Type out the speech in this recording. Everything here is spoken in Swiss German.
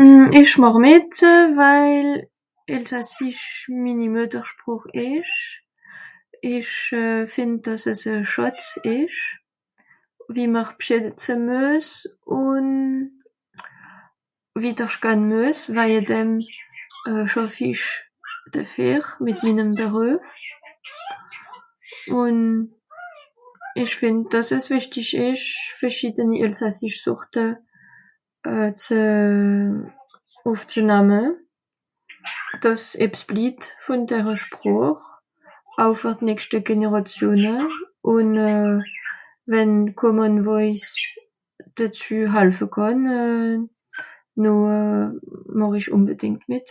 mmmh ìch màch mìt waj elsassisch minni Müeter ìsch. Ìch fìnd àss es e Schàtz ìsch wie mr bschìtze mues ùn wìddersch gan muess, waje dem schàff ìch defìr mìt minnem Beruef. Ùn ìch fìnd dàss es wìchtisch ìsch verschiedeni elsassischsorte ze ùffzenamme, dàss ebbs blit vùn dere Sproch. Au fer d'nägschte Generàtione ùn euh... wenn Common Voice dezü halfe kànn, noh màch i ùnbedìngt mìt.